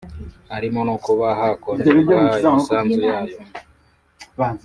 harimo no kuba hakongerwa imisanzu yayo